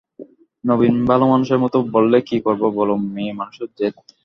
নবীন ভালোমানুষের মতো বললে, কী করব বলো, মেয়েমানুষের জেদ।